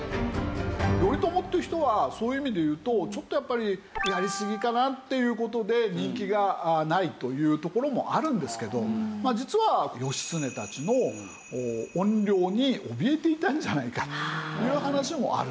頼朝っていう人はそういう意味でいうとちょっとやっぱりやりすぎかなっていう事で人気がないというところもあるんですけど実は義経たちの怨霊におびえていたんじゃないかっていう話もあるんですね。